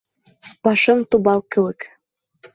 Башым тубал кеүек.